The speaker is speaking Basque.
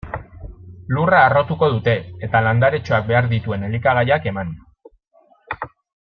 Lurra harrotuko dute, eta landaretxoak behar dituen elikagaiak eman.